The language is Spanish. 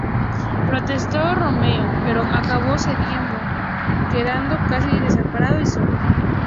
Protestó Romeu pero acabó cediendo, quedando casi desamparado y solo.